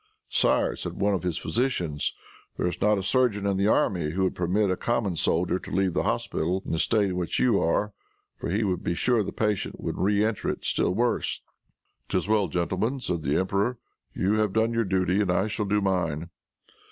"Sire," said one of his physicians, "there is not a surgeon in the army who would permit a common soldier to leave the hospital in the state in which you are, for he would be sure that his patient would reenter it still worse." "'Tis well, gentlemen," said the emperor, "you have done your duty, and I shall do mine."